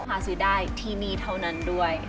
หาซื้อได้ที่นี่เท่านั้นด้วย